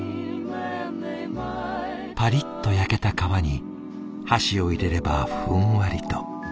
パリッと焼けた皮に箸を入れればふんわりと。